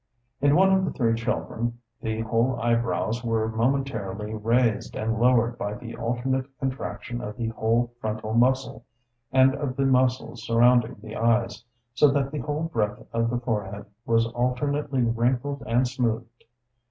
In one of the three children, the whole eyebrows were momentarily raised and lowered by the alternate contraction of the whole frontal muscle and of the muscles surrounding the eyes, so that the whole breadth of the forehead was alternately wrinkled and smoothed.